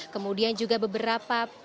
kemudian juga beberapa